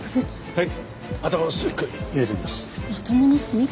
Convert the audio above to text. はい！